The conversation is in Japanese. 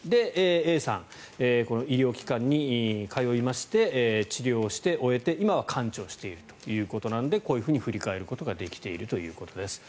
Ａさん、医療機関に通いまして治療をして終えて今は完治をしているということなのでこういうふうに振り返ることができているということです。